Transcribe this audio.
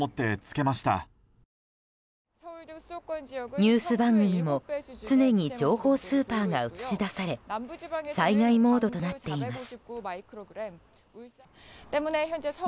ニュース番組も常に情報スーパーが映し出され災害モードとなっています。